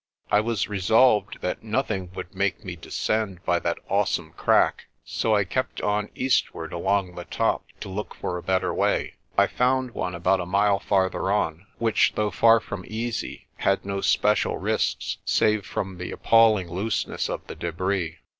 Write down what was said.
I was resolved that nothing would make me descend by that awesome crack, so I kept on eastward along the top to look for a better way. I found one about a mile farther on, which, though far from easy, had no special risks save from the appalling looseness of the debris.